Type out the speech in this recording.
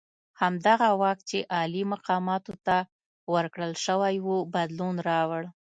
همدغه واک چې عالي مقامانو ته ورکړل شوی وو بدلون راوړ.